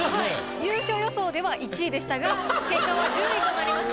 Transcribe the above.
優勝予想では１位でしたが結果は１０位となりました。